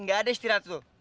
nggak ada istirahat lo